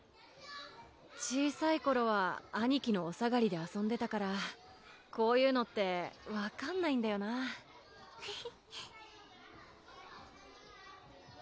小さい頃は兄貴のお下がりで遊んでたからこういうのって分かんないんだよなウフフ